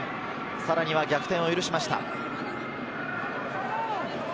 さらには逆転を許しました。